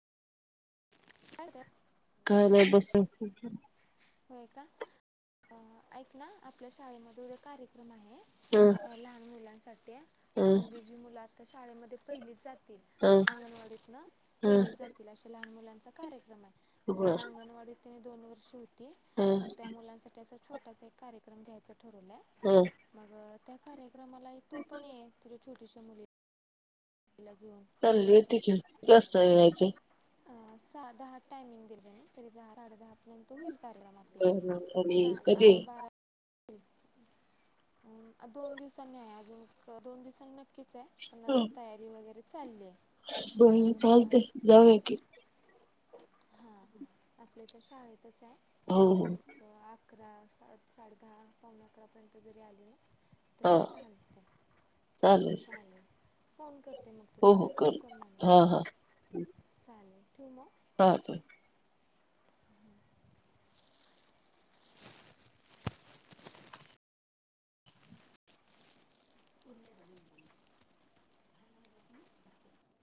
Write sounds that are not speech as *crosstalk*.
चालतंय. कार बसून होय का ऐक ना आपल्या शाळेमध्ये उद्या कार्यक्रम आहे. ह लहान मुलांसाठी ह म्हणजे जी मुलं आता शाळेमध्ये पहिलीच जातील ह अंगणवाडीत ह पहिलीच जातील अ लहान मुलांना कार्यक्रम आहे. बर आता अंगणवाडीत दोन वर्ष हो. ह मग त्या मुलांसाठी असं छोटासा एक कार्यक्रम घ्यायचा. ठरवलाय ह मग त्या कार्य मला तू पण ते. छोटीश मुली अलाग *inaudible* चालले त के जास्त यायचे. अ सहा दहा टायमिंग दिलय तरी दहा साडे दहा पर्यंत होईल. कार्यक्रम आपला बर आणि ना कधी अं, हम दोन दिवसांनी आहे अजून दोन दिवसांनी. नक्कीच आहे पण अजून तयारी वगैरे चालले. बर चालतय जाऊया की हा आपल्या तर शाळेत तच हो हो आहे एक अकरा स साडे दहा पावणे अकरापर्यं जरी आली ना हा तरी चालते चालेल. फोन कर. ते मग तुला हो हो तर तू कर मला हा चालेल. ठेवू हठेव *inaudible* *inaudible*